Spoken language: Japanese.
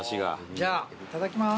じゃあいただきます。